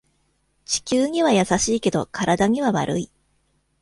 地球には優しいけど体には悪い